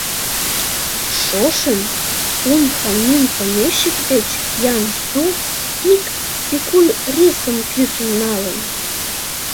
Шошым Ун Ханмин помещик деч Ян-Су ик пикуль рисым кӱсын налын.